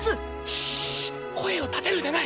しっ声を立てるでない。